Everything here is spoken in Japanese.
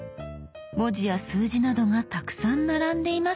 文字や数字などがたくさん並んでいますが。